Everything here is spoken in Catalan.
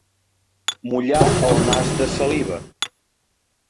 Mullar el nas de saliva.